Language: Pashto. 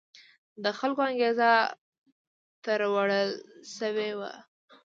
د خلکو انګېزه تروړل شوې وه.